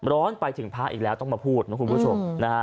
ร้อนไปถึงพระอีกแล้วต้องมาพูดนะคุณผู้ชมนะฮะ